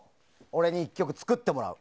俺に１曲作ってもらう。